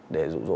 để rủ rỗ